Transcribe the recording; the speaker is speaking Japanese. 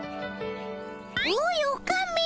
おいオカメ！